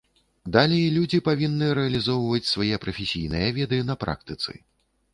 Далей людзі павінны рэалізоўваць свае прафесійныя веды на практыцы.